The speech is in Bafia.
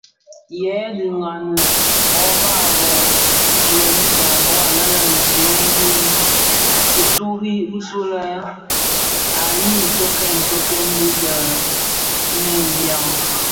Hei dhi wanne ubaa bō: lènni, jambhog anèn a sigmèn bi kituri bisulè ǎyi tokkèn tokkèn dhidenèn dya.